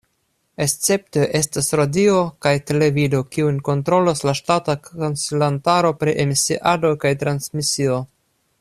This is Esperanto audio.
Esceptoj estos radio kaj televido, kiujn kontrolos la ŝtata Konsilantaro pri Emisiado kaj Transmisio.